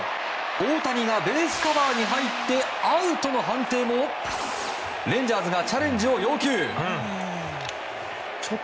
大谷がベースカバーに入ってアウトの判定もレンジャーズがチャレンジを要求。